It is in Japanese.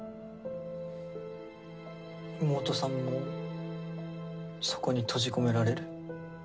妹さんもそこに閉じ込められる？